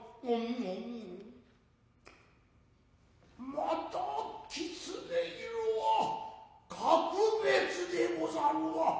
またキツネ色は格別でござるわ。